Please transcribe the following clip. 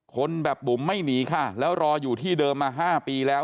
คนแบบบุ๋มไม่หนีค่ะแล้วรออยู่ที่เดิมมา๕ปีแล้ว